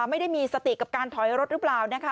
ไม่ได้มีสติกับการถอยรถหรือเปล่านะคะ